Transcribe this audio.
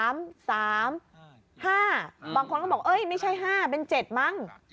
บางคนก็บอกไม่ใช่๕เป็น๗มั้ง